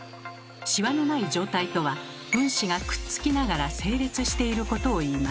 シワのない状態とは分子がくっつきながら整列していることをいいます。